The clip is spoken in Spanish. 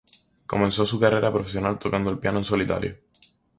Comenzó su carrera profesional tocando el piano en solitario.